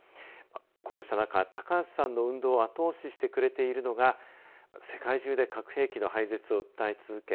こうした中、高橋さんの運動を後押ししてくれているのが世界中で核兵器の廃絶を訴え続け